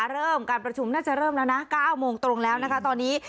เริ่มการประชุมน่าจะเริ่มแล้วนะ๙โมงตรงแล้วนะคะตอนนี้